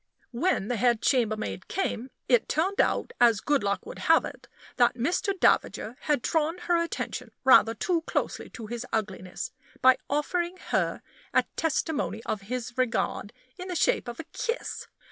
When the head chambermaid came, it turned out, as good luck would have it, that Mr. Davager had drawn her attention rather too closely to his ugliness, by offering her a testimony of his regard in the shape of a kiss.